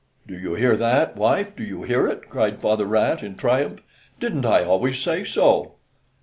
"Do you hear that, wife, do you hear it?" cried father rat in triumph. "Didn't I always say so?"